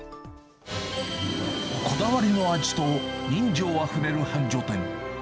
こだわりの味と人情あふれる繁盛店。